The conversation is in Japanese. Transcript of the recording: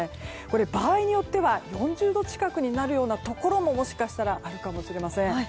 場合によっては４０度近くになるようなところももしかしたらあるかもしれません。